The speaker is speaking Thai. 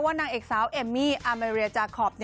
ว่านางเอกสาวเอมมี่เอเมรียจาคอร์ฟ